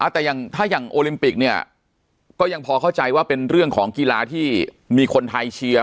แต่ถ้าอย่างโอลิมปิกเนี่ยก็ยังพอเข้าใจว่าเป็นเรื่องของกีฬาที่มีคนไทยเชียร์